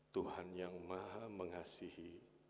tuhan yang maha mengasihi